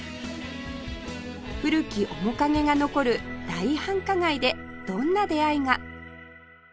古き面影が残る大繁華街でどんな出会いが？